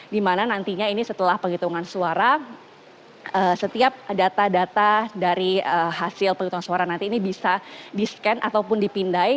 dimana nantinya ini setelah penghitungan suara setiap data data dari hasil penghitungan suara nanti ini bisa di scan ataupun dipindai